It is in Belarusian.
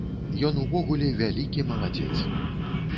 Ён увогуле вялікі маладзец!